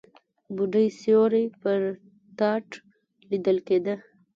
بوډۍ سيوری پر تاټ ليدل کېده.